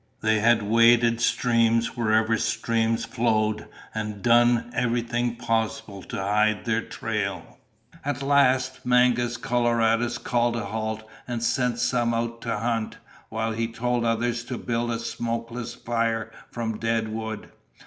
They had waded streams wherever streams flowed and done everything possible to hide their trail. At last Mangus Coloradus called a halt and sent some out to hunt while he told others to build a smokeless fire from dead wood.